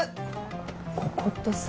ここってさ。